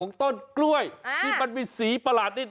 ต้นกล้วยที่มันมีสีประหลาดนิด